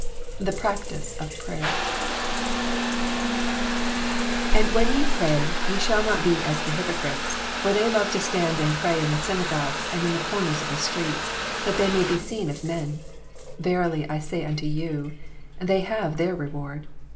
THE PRACTICE OF PRAYER " And when ye pray, ye shall not be as the hypocrites : for they love to stand and pray in the synagogues and in the corners of the streets, that they may be seen of men. Verily I say unto you, They have their reward.